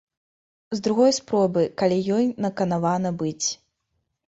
З другой спробы, калі ёй наканавана быць.